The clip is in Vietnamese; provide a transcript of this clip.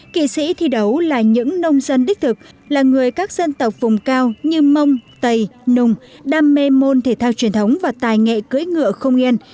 kỵ sĩ thi đấu là những nông dân đích thực là người các dân tộc vùng cao như mông tày nùng đam mê môn thể thao truyền thống và tài nghệ cưới ngựa không yên